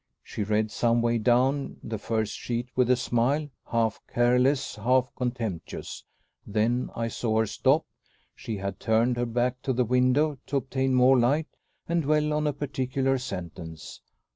She read some way down the first sheet with a smile, half careless, half contemptuous. Then I saw her stop she had turned her back to the window to obtain more light and dwell on a particular sentence.